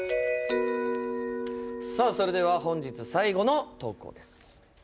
それでは本日最後の投稿です。